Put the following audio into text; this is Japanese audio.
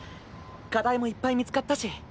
課題もいっぱい見つかったし。